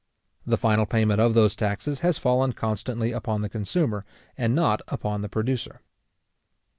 The final payment of those taxes has fallen constantly upon the consumer, and not upon the producer.